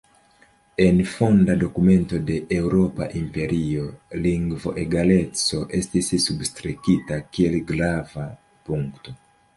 En fonda dokumento de Eŭropa Imperio lingvoegaleco estis substrekita kiel grava punkto.